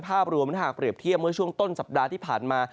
ภาพรวมถ้าหากเปรียบเทียบเมื่อช่วงต้นสัปดาห์ที่ผ่านมา